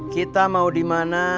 kita mau dimana